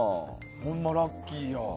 ほんまラッキーや。